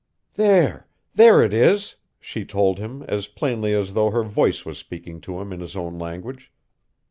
"There there it is!" she told him, as plainly as though her voice was speaking to him in his own language.